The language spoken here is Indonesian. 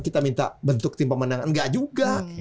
kita minta bentuk tim pemenangan enggak juga